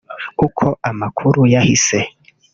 Uko amakuru yahise